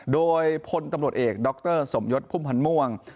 โดยพลกำหนดเอกดรสมหยศภูมิฮัลม่วง